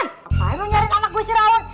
ngapain lo nyari anak gua si rawon